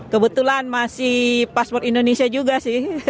kebetulan masih paspor indonesia juga sih